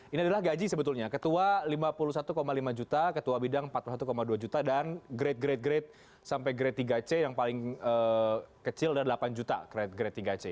ini adalah gaji sebetulnya ketua lima puluh satu lima juta ketua bidang empat puluh satu dua juta dan grade grade grade sampai grade tiga c yang paling kecil adalah delapan juta grade tiga c